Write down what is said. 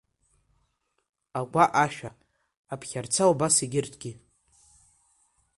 Агәаҟ ашәа, Аԥхьарца убас егьырҭгьы.